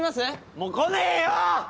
もう来ねえよ！